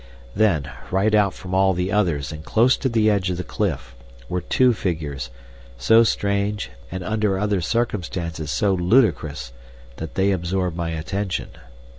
Then, right out from all the others and close to the edge of the cliff, were two figures, so strange, and under other circumstances so ludicrous, that they absorbed my attention.